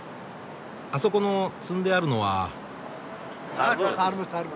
あそこの積んであるのは。